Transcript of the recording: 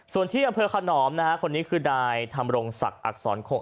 ส่วนที่บรรพธีชนมีขนน้อมนะฮะคนนี้คือได้ทำโรงศักดิ์อักษรโค้ง